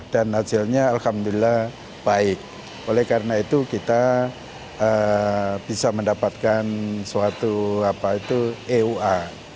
dan hasilnya alhamdulillah baik oleh karena itu kita bisa mendapatkan suatu eua